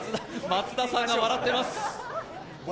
松田さんが笑ってます。